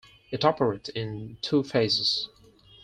It operates in two phases.